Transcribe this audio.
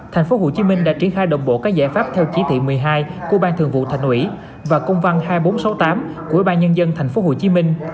tp hcm đã triển khai đồng bộ các giải pháp theo chí thị một mươi hai của ban thường vụ thành ủy và công văn hai nghìn bốn trăm sáu mươi tám của ủy ban nhân dân tp hcm